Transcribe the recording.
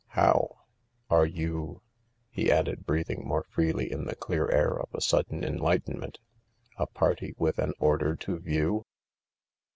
" How ?... Are you," he added, breathing more freely in the clear air of a sudden enlightenment, " a party with an order to view